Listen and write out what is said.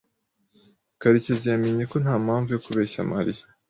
Karekezi yamenye ko nta mpamvu yo kubeshya Mariya.